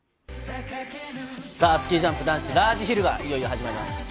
スキージャンプ男子ラージヒルはいよいよ始まります。